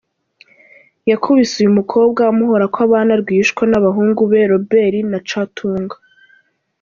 Yakubise uyu mukobwa amuhora ko abana rwihishwa n’ abahungu be Robert na Chatunga.